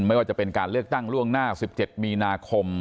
ไม่ว่าจะเป็นการเลือกตั้งล่วงหน้า๑๗มีนาคม